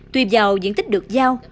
tuy vào diện tích được giao